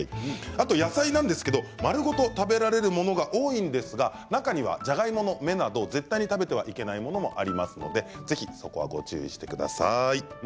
あと、野菜なんですが丸ごと食べられるものが多いんですが、他にじゃがいもの芽など絶対に食べてはいけないものもありますのでぜひ、そこはご注意してください。